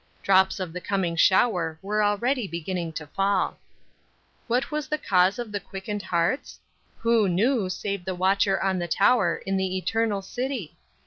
Drops of the coming shower were already beginning to fall. What was the cause of the quickened hearts? Who knew save the Watcher on the tower in the eternal city?